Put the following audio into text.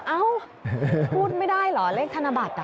เอ้าพูดไม่ได้เหรอเลขธนบัตร